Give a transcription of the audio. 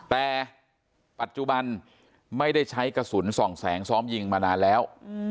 แต่ปัจจุบันไม่ได้ใช้กระสุนส่องแสงซ้อมยิงมานานแล้ว